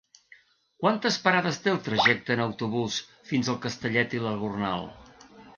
Quantes parades té el trajecte en autobús fins a Castellet i la Gornal?